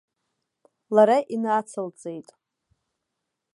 Лара инацылҵеит.